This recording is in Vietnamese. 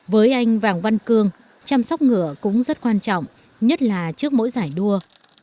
với anh vàng văn cương chăm sóc ngựa cũng rất quan trọng nhất là trước mỗi giải đua